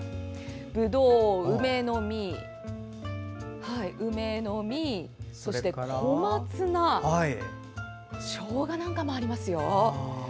ぶどう、梅の実、小松菜しょうがなんかもありますよ。